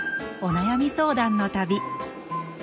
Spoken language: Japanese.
お悩み相談の旅。